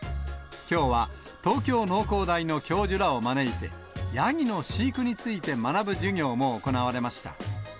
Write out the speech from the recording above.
きょうは東京農工大の教授らを招いて、ヤギの飼育について学ぶ授業も行われました。